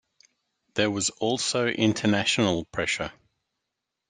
There was also international pressure.